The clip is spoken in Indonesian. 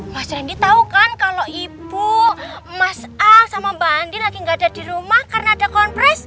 mas randy tau kan kalau ibu mas al sama mbak andi lagi gak ada di rumah karena ada konfres